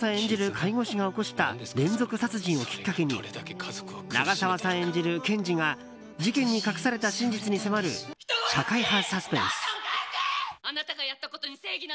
介護士が起こした連続殺人をきっかけに長澤さん演じる検事が事件に隠された真実に迫る社会派サスペンス。